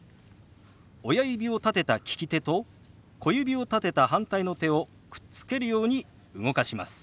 親指を立てた利き手と小指を立てた反対の手をくっつけるように動かします。